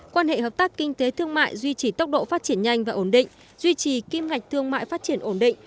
quan hệ hợp tác kinh tế thương mại duy trì tốc độ phát triển nhanh và ổn định duy trì kim ngạch thương mại phát triển ổn định